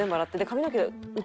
髪の毛う